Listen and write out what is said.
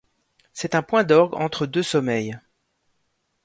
C’est un point d’orgue entre deux sommeils.